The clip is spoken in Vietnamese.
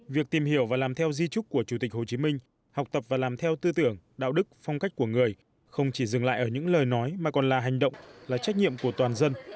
việc tìm hiểu và làm theo di trúc của chủ tịch hồ chí minh học tập và làm theo tư tưởng đạo đức phong cách của người không chỉ dừng lại ở những lời nói mà còn là hành động là trách nhiệm của toàn dân